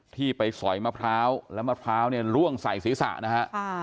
ที่ไปสอยมะพร้าวแล้วมะพร้าวเนี่ยล่วงใส่ศีรษะนะฮะ